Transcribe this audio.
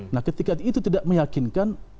nah ketika itu tidak meyakinkan